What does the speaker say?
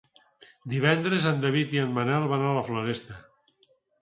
Divendres en David i en Manel van a la Floresta.